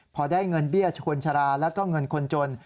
พอได้เงินเบี้ยคนชราแล้วก็เงินคนจน